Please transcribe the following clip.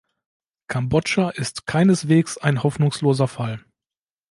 Kambodscha ist keineswegs ein hoffnungsloser Fall.